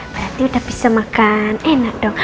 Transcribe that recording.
berarti udah bisa makan enak dong